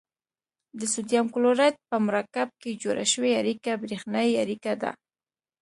د سوډیم کلورایډ په مرکب کې جوړه شوې اړیکه بریښنايي اړیکه ده.